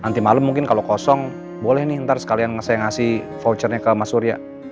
nanti malam mungkin kalau kosong boleh nih ntar sekalian saya ngasih vouchernya ke mas surya